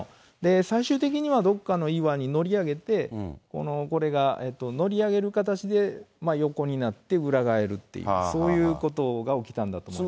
最終的にはどこかの岩に乗り上げて、これが乗り上げる形で横になって、裏返るっていう、そういうことが起きたんだと思います。